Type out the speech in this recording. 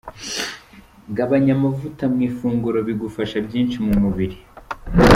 Gabanya amavuta mu ifunguro bigufasha byinshi mu mubiri.